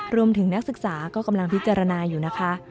นักศึกษาก็กำลังพิจารณาอยู่นะคะ